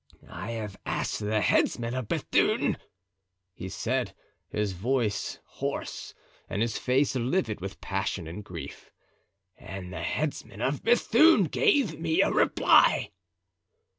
"I have asked the headsman of Bethune," he said, his voice hoarse and his face livid with passion and grief. "And the headsman of Bethune gave me a reply."